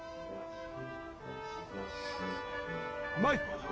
うまい！